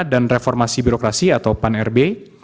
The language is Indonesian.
dan reformasi birokrasi atau pan rb